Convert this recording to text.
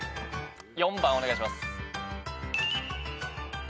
４番お願いします。